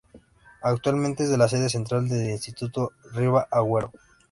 Actualmente es la sede central del Instituto Riva-Agüero.